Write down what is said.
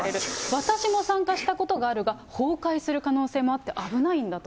私も参加したことがあるが、崩壊する可能性もあって危ないんだと。